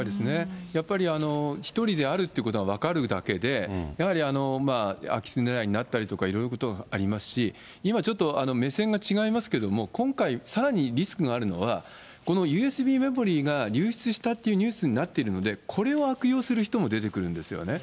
やっぱり１人であるってことが分かるだけで、やはり空き巣狙いになったりとかいろいろなことがありますし、今、ちょっと目線が違いますけども、今回、さらにリスクがあるのは、このＵＳＢメモリが流出したというニュースになっているので、これを悪用する人も出てくるんですよね。